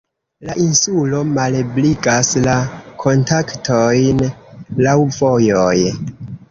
La insulo malebligas la kontaktojn laŭ vojoj.